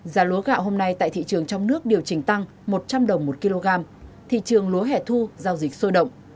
giá lúa gạo hôm nay tại thị trường trong nước điều chỉnh tăng một trăm linh đồng một kg thị trường lúa hẻ thu giao dịch sôi động